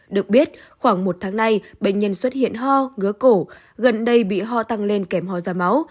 được biết khoảng một tháng nay bệnh nhân xuất hiện ho ngứa cổ gần đây bị ho tăng lên kèm hò da máu